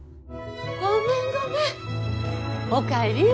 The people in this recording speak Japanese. ごめんごめん。